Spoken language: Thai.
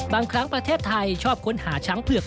ครั้งประเทศไทยชอบค้นหาช้างเผือก